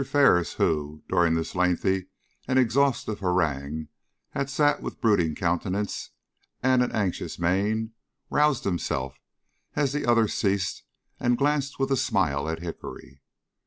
Ferris, who, during this lengthy and exhaustive harangue, had sat with brooding countenance and an anxious mien, roused himself as the other ceased, and glanced with a smile at Hickory.